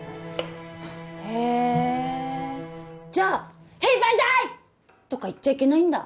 へえじゃあ「へいバンザイ」とか言っちゃいけないんだ